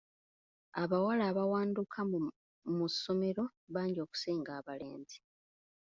Abawala abawanduka mu ssomero bangi okusinga abalenzi.